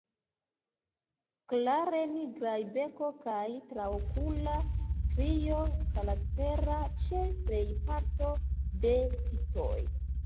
Klare nigraj beko kaj traokula strio, karaktera ĉe plej parto de sitoj.